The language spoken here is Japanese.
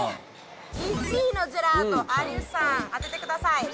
１位のジェラート有吉さん当ててください。